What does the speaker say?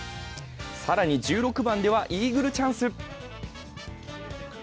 更に、１６番ではイーグルチャンス。